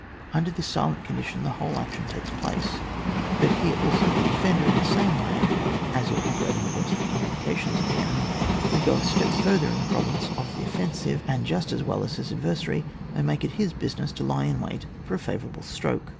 Under this silent condition the whole action takes place. But here also the defender, in the same way as in operating against the commu nications of the enemy, may go a step further in the province of the offensive, and just as well as his adversary may make it his business to lie in wait for a favourable stroke.